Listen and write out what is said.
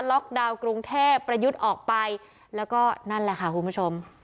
ดาวน์กรุงเทพประยุทธ์ออกไปแล้วก็นั่นแหละค่ะคุณผู้ชม